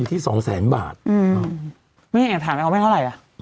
อยู่ที่สองแสนบาทอืมไม่งั้นแหดถามของเขาเนอะเมื่อเมื่อเมื่อ